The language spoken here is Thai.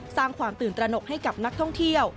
สร้างความตื่นตระหนกให้กับนักท่องเที่ยว